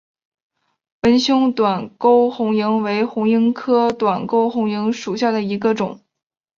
纹胸短沟红萤为红萤科短沟红萤属下的一个种。